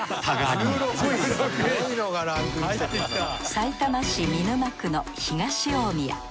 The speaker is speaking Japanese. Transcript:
さいたま市見沼区の東大宮。